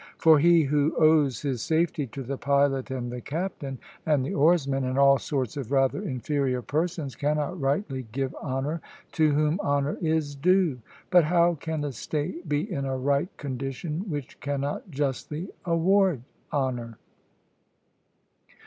For he who owes his safety to the pilot and the captain, and the oarsman, and all sorts of rather inferior persons, cannot rightly give honour to whom honour is due. But how can a state be in a right condition which cannot justly award honour?